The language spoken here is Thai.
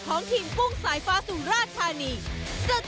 ของทีมกุ้งสายฟ้าสุราชธานี